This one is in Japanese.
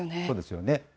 そうですよね。